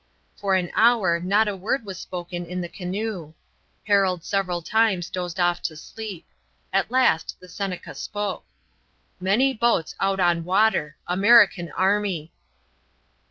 For an hour not a word was spoken in the canoe. Harold several times dozed off to sleep. At last the Seneca spoke: "Many boats out on water American army."